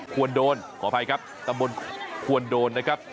ควนด้วนขออภัยครับตำบลควนด้วนนะครับ